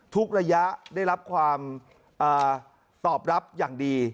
ระยะได้รับความตอบรับอย่างดี